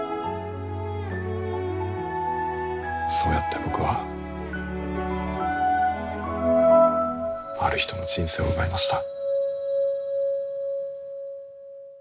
そうやって僕はある人の人生を奪いました。